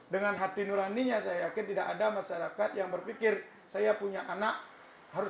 dengan hati nuraninya saya yakin tidak ada masyarakat yang berpikir saya punya anak harus